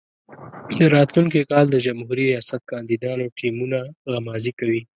د راتلونکي کال د جمهوري ریاست کاندیدانو ټیمونه غمازي کوي.